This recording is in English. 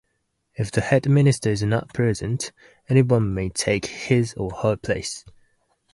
If the head minister is not present, anyone may take his or her place.